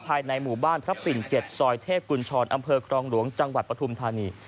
ภายในหมู่บ้านพระปิ่น๗ซอยเทพกุญชรอำเภอครองหลวงจังหวัดปฐุมธานี